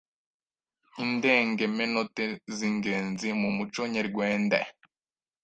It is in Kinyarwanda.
Indengemenote z’ingenzi mu muco Nyerwende”